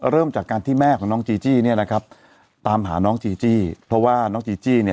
เริ่มจากการที่แม่ของน้องจีจี้เนี่ยนะครับตามหาน้องจีจี้เพราะว่าน้องจีจี้เนี่ย